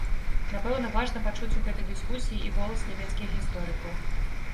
Напэўна, важна пачуць у гэтай дыскусіі і голас нямецкіх гісторыкаў.